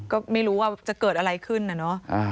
ก็ไม่รู้ว่าจะเกิดอะไรขึ้นนะเนอะ